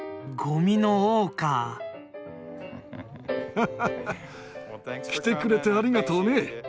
ハハハ来てくれてありがとうね。